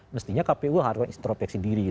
mestinya kpu harus teropek sendiri